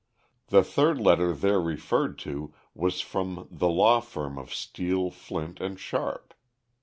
The third letter there referred to was from the law firm of Steel, Flint & Sharp.